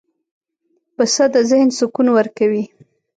پسه د ذهن سکون ورکوي.